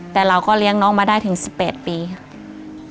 แต่เราก็เลี้ยงน้องมาได้ถึง๑๘ปีค่ะ